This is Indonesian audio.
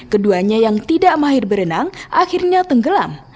keduanya yang tidak mahir berenang akhirnya tenggelam